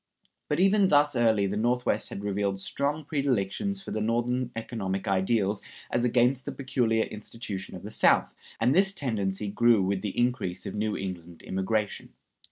But even thus early the Northwest had revealed strong predilections for the Northern economic ideals as against the peculiar institution of the South, and this tendency grew with the increase of New England immigration.